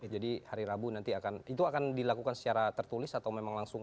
jadi hari rabu nanti akan dilakukan secara tertulis atau memang langsung